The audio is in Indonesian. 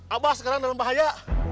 abah sekarang dalam bahaya